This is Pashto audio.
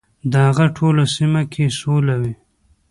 د هغه ټوله سیمه کې سوله وي .